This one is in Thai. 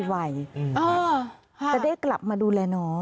จะได้กลับมาดูแลน้อง